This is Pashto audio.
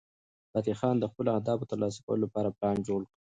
فتح خان د خپلو اهدافو د ترلاسه کولو لپاره پلان جوړ کړ.